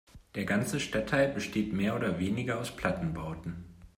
Der ganze Stadtteil besteht mehr oder weniger aus Plattenbauten.